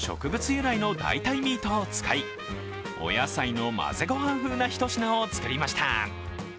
由来の代替ミートを使いお野菜の混ぜご飯風なひと品を作りました。